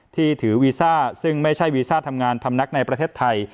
ที่ถือวีซ่าซึ่งไม่ใช่วีซ่าทำงานพำนักในประเทศไทย